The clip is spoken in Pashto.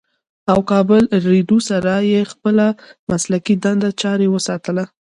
او کابل رېډيو سره ئې خپله مسلکي دنده جاري اوساتله